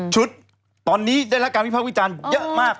ชุดตอนนี้ในระการพิพักวิจารณ์เยอะมาก